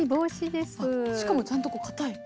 しかもちゃんとかたい。